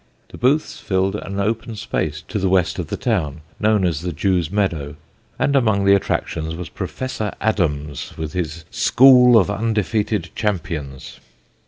The booths filled an open space to the west of the town known as the Jew's Meadow, and among the attractions was Professor Adams with his "school of undefeated champions."